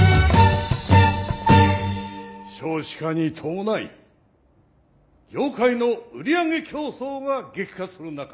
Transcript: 少子化に伴い業界の売り上げ競争が激化する中